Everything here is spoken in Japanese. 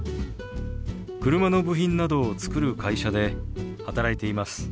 車の部品などを作る会社で働いています。